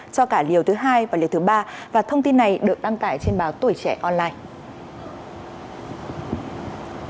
cho cả liều thứ hai và liều thứ ba và thông tin này được đăng tải trên báo tuổi trẻ online